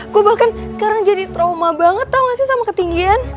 gue bahkan sekarang jadi trauma banget tau gak sih sama ketinggian